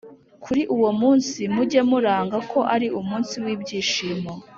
Kuri uwo munsi mujye muranga ko ari umunsi w’ibyishimo